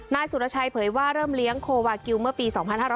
นายสุรชัยเผยว่าเริ่มเลี้ยงโควากิลเมื่อปี๒๕๕๙